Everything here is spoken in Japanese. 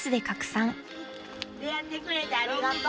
出会ってくれてありがとう。